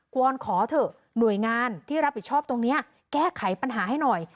วอนขอเถอะหน่วยงานที่รับผิดชอบตรงนี้แก้ไขปัญหาให้หน่อย